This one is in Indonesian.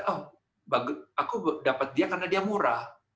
oh aku dapat dia karena dia murah